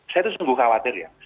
saya itu sungguh khawatir ya